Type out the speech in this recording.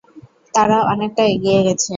তারা অনেকটা এগিয়ে গেছে।